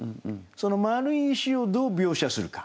その丸い石をどう描写するか。